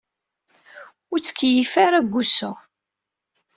Ur ttkeyyif ara deg wusu.